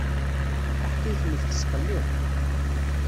Taḥkayt-nnek tesqelliq.